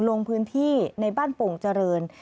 ลงพื้นที่ในบ้านโป่งเจริญ